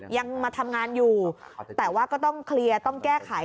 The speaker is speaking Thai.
ยังมาทำงานอยู่แต่ว่าก็ต้องเคลียร์ต้องแก้ไข